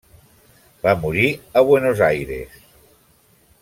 Va morir a Buenos Aires.